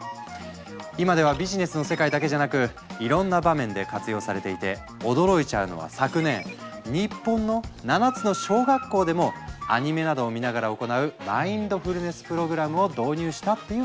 今ではビジネスの世界だけじゃなくいろんな場面で活用されていて驚いちゃうのは昨年日本の７つの小学校でもアニメなどを見ながら行うマインドフルネス・プログラムを導入したっていう話。